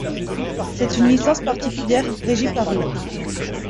C'est une licence particulière régie par l'.